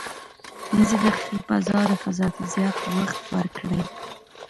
پنځه دقیقې په ازاده فضا کې زیات وخت ورکړئ.